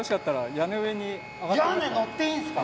屋根乗っていいんですか？